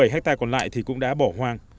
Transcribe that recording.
bốn mươi bảy hectare còn lại thì cũng đã bỏ hoang